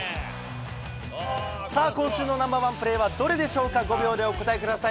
さあ、今週のナンバーワンプレーはどれでしょうか、５秒でお答えください。